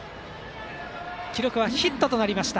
記録はヒットとなりました。